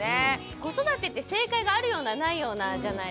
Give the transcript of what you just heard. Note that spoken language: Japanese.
子育てって正解があるようなないようなじゃないですか。